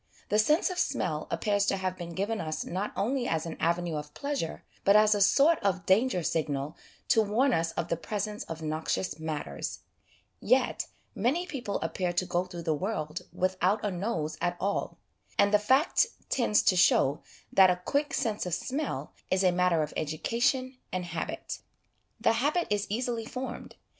The sense of smell appears to have been given us not only as an avenue of pleasure, but as a sort of danger signal to 126 HOME EDUCATION warn us of the presence of noxious matters: yet many people appear to go through the world without a nose at all ; and the fact tends to show that a quick sense of smell is a matter of education and habit. The habit is easily formed.